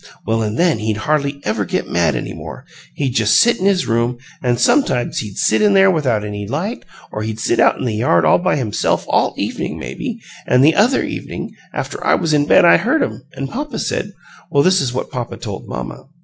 Well, an' then he'd hardly ever get mad any more; he'd just sit in his room, an' sometimes he'd sit in there without any light, or he'd sit out in the yard all by himself all evening, maybe; an' th'other evening after I was in bed I heard 'em, an' papa said well, this is what papa told mamma."